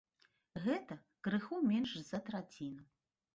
Гэта крыху менш за траціну!